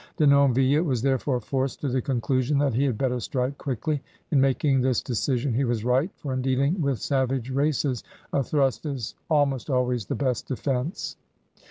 Denonville was therefore forced to the conclusion that he had better strike quickly. In making this decision he was right, for in dealing with savage races a thrust is almost always the best defense.